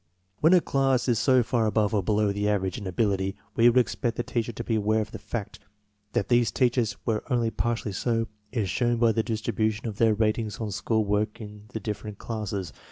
When a class is so far above or below the average in ability we would expect the teacher to be aware of the fact. That these teachers were only partially so is shown by the distribution of their ratings on school work in the different classes.